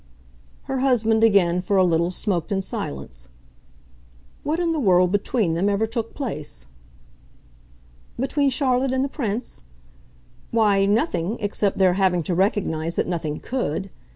Her husband again, for a little, smoked in silence. "What in the world, between them, ever took place?" "Between Charlotte and the Prince? Why, nothing except their having to recognise that nothing COULD.